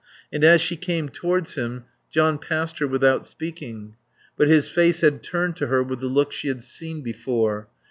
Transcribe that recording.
And as she came towards him John passed her without speaking. But his face had turned to her with the look she had seen before.